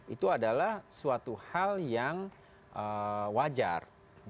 itu adalah suatu hal yang wajar